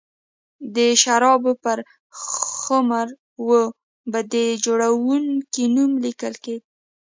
د شرابو پر خُمر و به د جوړوونکي نوم لیکل کېده